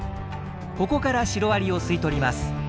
ここからシロアリを吸い取ります。